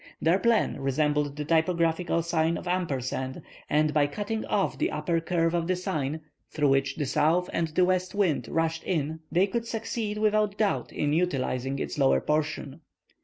Their plan resembled the typographical sign, &, and by cutting off the upper curve of the sign, through which the south and the west wind rushed in, they could succeed without doubt in utilizing its lower portion.